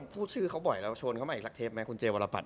พูดชื่อเขาบ่อยเราชวนเขามาอีกสักเทปไหมคุณเจวรปัต